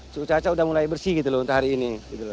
suhu caca udah mulai bersih gitu loh untuk hari ini